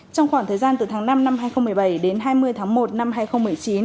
trong khoảng thời gian từ tháng năm năm hai nghìn một mươi bảy đến hai mươi tháng một năm hai nghìn một mươi chín